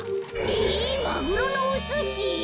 えっマグロのおすし！？